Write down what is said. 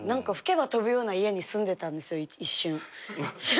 吹けば飛ぶような家に住んでたんですよ一瞬。